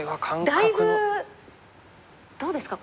だいぶどうですか